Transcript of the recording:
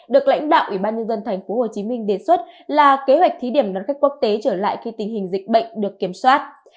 được lãnh đạo ủy ban nhân dân thành phố hồ chí minh đề xuất là kế hoạch thí điểm đón khách quốc tế trở lại khi tình hình dịch bệnh được kiểm soát